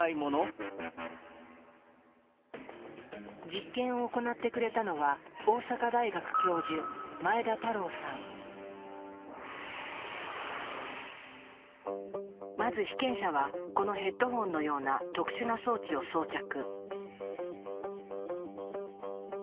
実験を行ってくれたのはまず被験者はこのヘッドホンのような特殊な装置を装着。